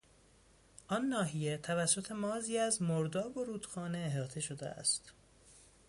آن ناحیه توسط مازی از مرداب و رودخانه احاطه شده است.